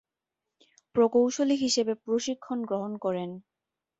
প্রকৌশলী হিসেবে প্রশিক্ষণ গ্রহণ করেন।